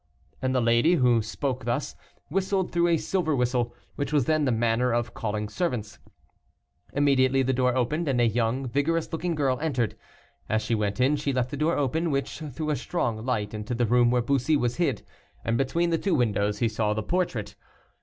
And the lady, who spoke, thus, whistled through a silver whistle, which was then the manner of calling servants. Immediately the door opened, and a young, vigorous looking girl entered. As she went in, she left the door open, which threw a strong light into the room where Bussy was hid, and between the two windows he saw the portrait.